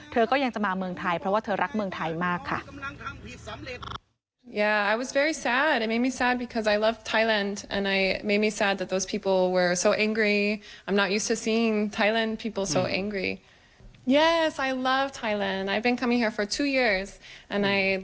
เธอก็ยังจะมาเมืองไทยเพราะว่าเธอรักเมืองไทยมากค่ะ